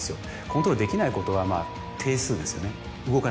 コントロールできないことは定数ですよね動かない。